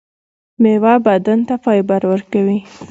میوه بدن ته فایبر ورکوي